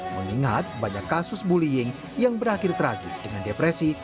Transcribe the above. mengingat banyak kasus bullying yang berakhir tragis dengan depresi